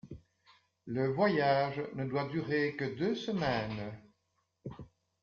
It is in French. Le voyage ne doit durer que deux semaines.